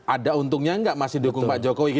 ada untungnya nggak masih dukung pak jokowi